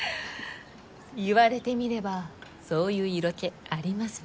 言われてみればそういう色気ありますね。